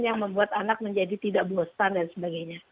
yang membuat anak menjadi tidak bosan dan sebagainya